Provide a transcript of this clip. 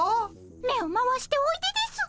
目を回しておいでです。